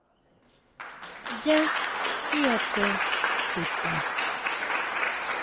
¿Yá tíʼate chuta?